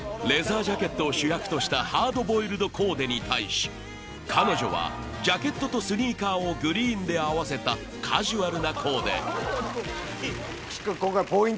レザージャケットを主役としたハードボイルドコーデに対し彼女はジャケットとスニーカーをグリーンで合わせたカジュアルなコーデ岸君。